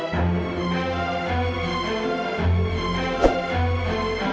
jika cuma yang baik mereka akan itu saja